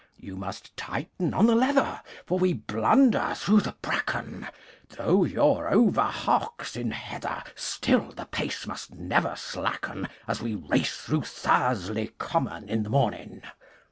You must tighten on the leather, For we blunder through the bracken; Though you're over hocks in heather Still the pace must never slacken As we race through Thursley Common in the morning.